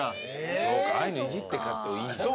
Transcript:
そうかああいうのいじっていくといいんだな。